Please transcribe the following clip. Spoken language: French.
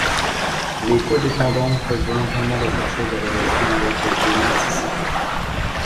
Les co-dépendents peuvent volontairement rechercher des relations avec des narcissiques.